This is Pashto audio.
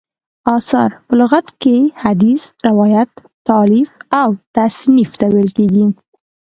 اثر: په لغت کښي حدیث، روایت، تالیف او تصنیف ته ویل کیږي.